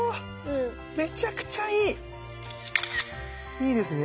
いいですね。